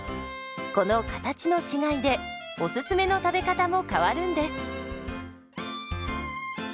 この形の違いでおすすめの食べ方も変わるんです。